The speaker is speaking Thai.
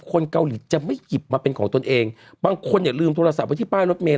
คนเกาหลีจะไม่หยิบมาเป็นของตนเองบางคนเนี่ยลืมโทรศัพท์ไว้ที่ป้ายรถเมย